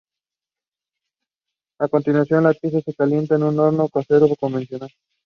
A continuación, la pieza se calienta en un horno casero convencional.